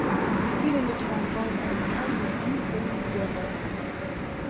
Il est le symbole animal des îles El Hierro.